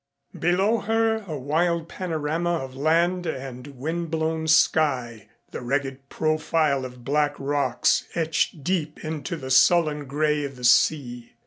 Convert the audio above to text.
Below her a wild panorama of land and wind blown sky, the ragged profile of black rocks etched deep into the sullen gray of the sea.